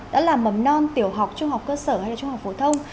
đó là mầm non tiểu học trung học cơ sở hay là trung học phổ thông